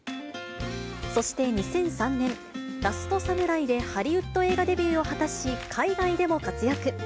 そして２００３年、ラストサムライでハリウッド映画デビューを果たし、海外でも活躍。